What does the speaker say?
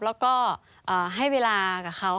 แล้วก็ให้เวลากับเขา